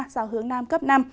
gió hướng nam cấp năm